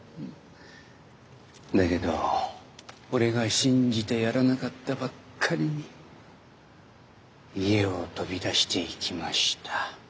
だけど俺が信じてやらなかったばっかりに家を飛び出していきました。